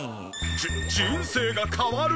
じ人生が変わる！？